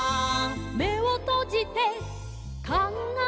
「めをとじてかんがえる」